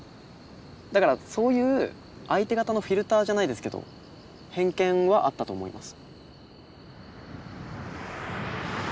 だからそういう相手方のフィルターじゃないですけど偏見はあったと思います。